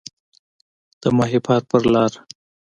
د ماهیپر په لار